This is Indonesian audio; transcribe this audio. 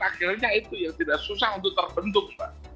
akhirnya itu tidak susah untuk terbentuk